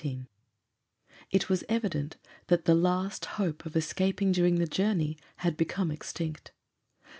XIV It was evident that the last hope of escaping during the journey had become extinct.